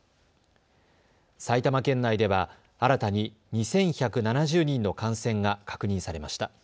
埼玉県内では新たに２１７０人の感染が確認されました。